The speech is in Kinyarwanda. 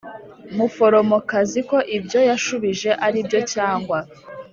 Muforomokazi ko ibyo yashubije ari byo cyangwa